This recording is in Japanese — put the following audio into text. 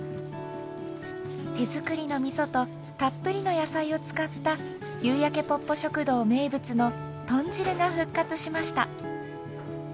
手作りのみそとたっぷりの野菜を使った夕焼けぽっぽ食堂名物の豚汁が復活しました。